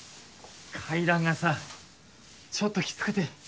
階段がさちょっときつくて。